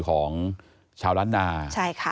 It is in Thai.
ของชาวรัตนา